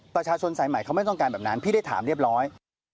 ประชาชนสายใหม่เขาไม่ต้องการแบบนั้นพี่ได้ถามเรียบร้อย